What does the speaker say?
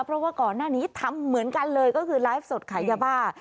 เพราะว่าก่อนหน้านี้ทำเหมือนกันเลยก็คือไลฟ์สดขายยาบ้า